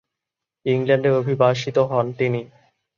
ইংল্যান্ডে অভিবাসিত হন তিনি।